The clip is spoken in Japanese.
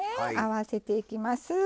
合わせていきます。